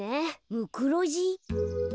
ムクロジ？